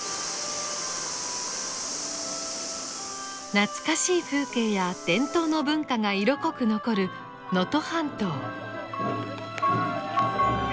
懐かしい風景や伝統の文化が色濃く残る能登半島。